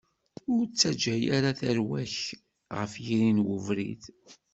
Ur ttaǧǧa ara tarwa-k ɣef yiri n ubrid.